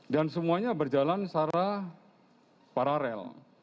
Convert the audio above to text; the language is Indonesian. dan semuanya berjalan secara paralel